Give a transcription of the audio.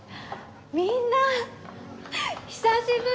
みんな久しぶり！